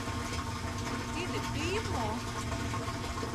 Тиде пӱй мо?